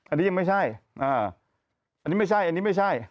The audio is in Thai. อันนี้ไม่ใช่อันนี้ไม่ใช่